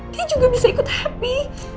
dia juga bisa ikut happy